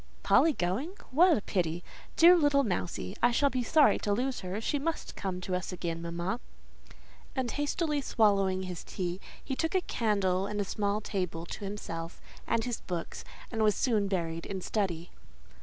"Polly going? What a pity! Dear little Mousie, I shall be sorry to lose her: she must come to us again, mamma." And hastily swallowing his tea, he took a candle and a small table to himself and his books, and was soon buried in study.